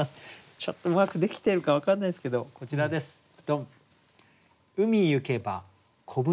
ちょっとうまくできてるか分からないですけどこちらですドン！